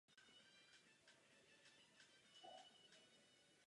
V básnictví se využívá nejvyšší míry estetické funkce.